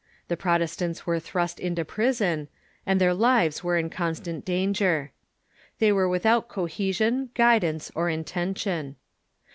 The Protestants were thrust into prison, and their lives were in constant danger. They were Avithout cohesion, guidance, or intention.